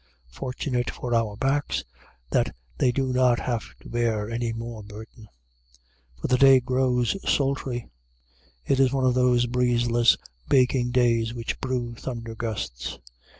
Fortunate for our backs that they do not have to bear any more burden! For the day grows sultry. It is one of those breezeless baking days which brew thunder gusts.